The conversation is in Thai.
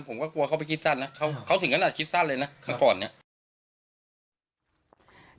ผมก็กลัวเขาไปคิดสั้นนะเขาถึงขนาดคิดสั้นเลยนะเมื่อก่อนเนี่ย